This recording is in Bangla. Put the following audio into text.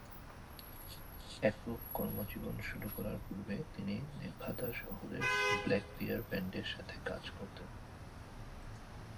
একক কর্মজীবন শুরু করার পূর্বে তিনি নেভাদা শহরের ব্ল্যাক বিয়ার ব্যান্ডের সাথে কাজ করতেন।